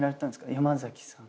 山崎さん。